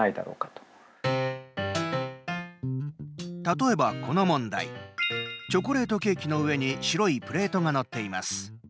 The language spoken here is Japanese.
例えば、この問題チョコレートケーキの上に白いプレートが載っています。